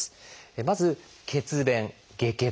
まず「血便・下血」。